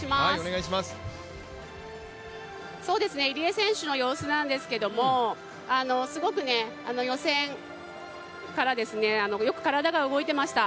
入江選手の様子なんですけれども、すごく予選からよく体が動いてました。